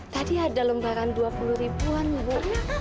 tadi ada lembaran dua puluh ribuan bu